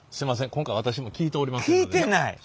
今回私も聞いておりませんので。